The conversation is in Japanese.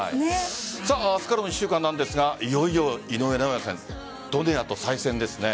明日からの１週間ですがいよいよ井上尚弥さんドネアと再戦ですね。